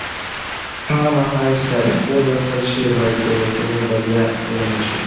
هغه مهال چې تاریخ ولوستل شي، تېروتنې به بیا ونه شي.